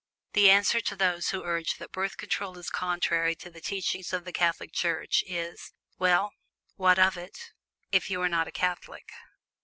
The answer to those who urge that "Birth Control is contrary to the teachings of the Catholic Church" is: "Well, what of it? if you are not a Catholic!"